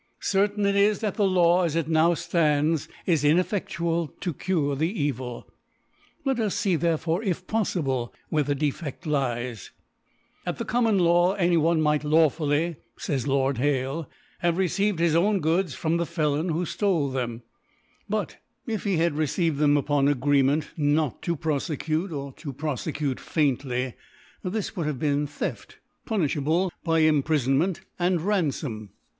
Certain it is, that the Law as it now (lands is inefFeftual to cure the Evil. i,et us fee therefore, if poffible^ where the Defcft lies,. F 6 ^^( loS) At the Common Law, any one might lawfully ("fays Lord Hate) have received his own Goods from the Felon who ftole them*. But if he had received them upon Agree ment not to profecute, or toprofecute faint ly, this would have been Theftbote punifli able by Imprifonment and Ranfom.